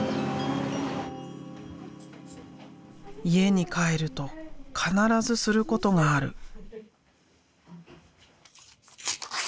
家に帰ると必ずすることがある。